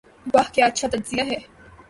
'' واہ کیا اچھا تجزیہ ہے۔